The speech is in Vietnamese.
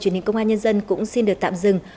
truyền hình công an nhân dân cũng xin được tạm dừng